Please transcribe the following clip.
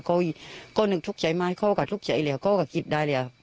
ก็นึกทุกใจไหมก็ก็ทุกใจเลยก็ก็คิดได้เลย